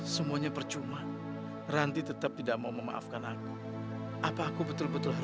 sampai jumpa di video selanjutnya